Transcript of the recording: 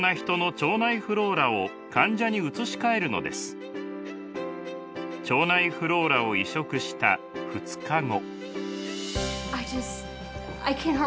腸内フローラを移植した２日後。